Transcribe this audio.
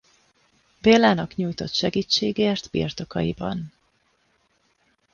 Bélának nyújtott segítségért birtokaiban.